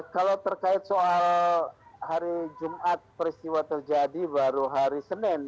kalau terkait soal hari jumat peristiwa terjadi baru hari senin